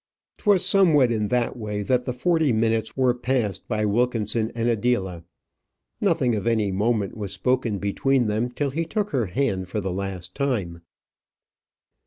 'Twas somewhat in this way that the forty minutes were passed by Wilkinson and Adela. Nothing of any moment was spoken between them till he took her hand for the last time.